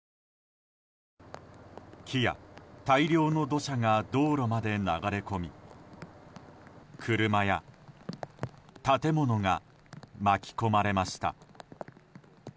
木や大量の土砂が道路まで流れ込み車や建物が巻き込まれました。